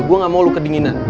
gua gamau lu kedinginan